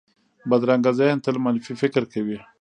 بدرنګه ذهن تل منفي فکر کوي